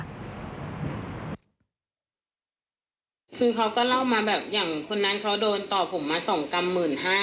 คือเขาก็เล่ามาแบบอย่างคนนั้นเขาโดนต่อผมมา๒กรัม๑๕๐๐